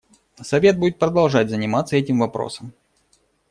Совет будет продолжать заниматься этим вопросом.